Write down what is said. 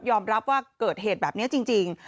รับว่าเกิดเหตุแบบนี้จริง